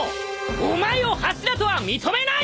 お前を柱とは認めない！